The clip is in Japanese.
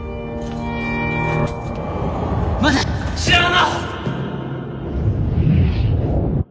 待て白浜！